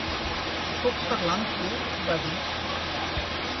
"Puc parlar amb tu?" va dir.